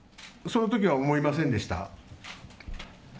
そのときは思いませんでした。